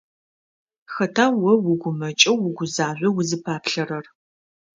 Хэта о угумэкӀэу угузажъоу узыпаплъэрэр?